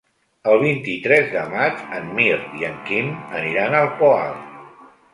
El vint-i-tres de maig en Mirt i en Quim aniran al Poal.